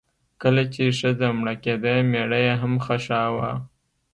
کله چې ښځه مړه کیده میړه یې هم خښاوه.